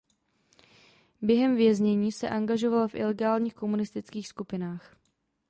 Během věznění se angažoval v ilegálních komunistických skupinách.